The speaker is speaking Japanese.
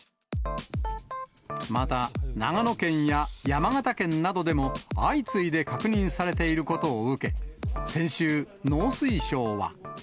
また、長野県や山形県などでも、相次いで確認されていることを受け、先週、農水省は。